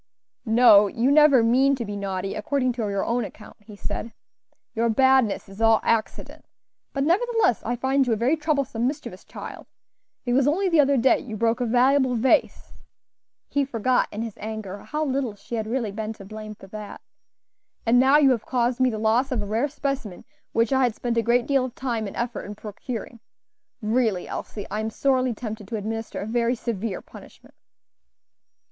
"No, you never mean to be naughty, according to your own account," he said; "your badness is all accident; but nevertheless, I find you a very troublesome, mischievous child; it was only the other day you broke a valuable vase" (he forgot in his anger how little she had really been to blame for that), "and now you have caused me the loss of a rare specimen which I had spent a great deal of time and effort in procuring. Really, Elsie, I am sorely tempted to administer a very severe punishment."